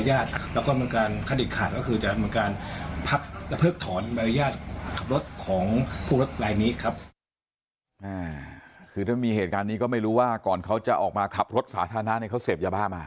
คือถ้ามีเหตุการณ์นี้ก็ไม่รู้ว่าก่อนเขาจะออกมาขับรถสาธารณะเนี่ยเขาเสพยาบ้ามา